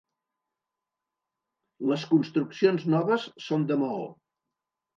Les construccions noves són de maó.